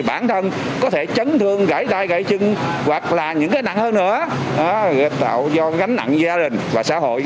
bản thân có thể chấn thương gãy tay chân hoặc là những cái nặng hơn nữa tạo do gánh nặng gia đình và xã hội